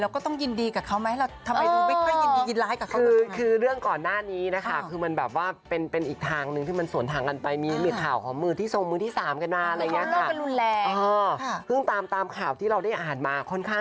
คับวิถึชีวิตของนั้นส่องคู่ก็แบบชอบอยู่เยี่ยมเย็บ